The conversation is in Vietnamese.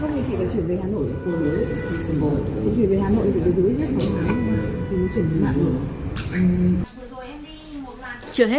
không thì chỉ cần chuyển về hà nội là cô mới